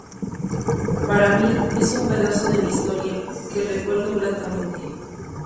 Para mí, es un pedazo de mi historia que recuerdo gratamente"".